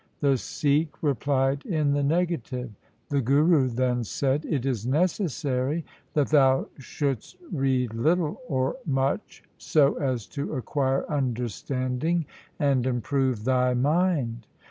The Sikh replied in the negative. The Guru then said, ' It is necessary that thou shouldst read little or much so as to acquire understanding and improve thy mind.